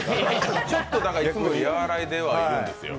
ちょっと和らいではいるんですよ。